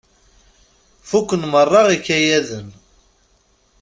Fukken meṛṛa ikayaden.